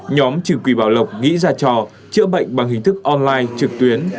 nhóm trừ quỷ bảo lộc nghĩ ra trò chữa bệnh bằng hình thức online trực tuyến